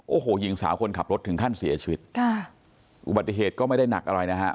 โอ้โหหญิงสาวคนขับรถถึงขั้นเสียชีวิตค่ะอุบัติเหตุก็ไม่ได้หนักอะไรนะฮะ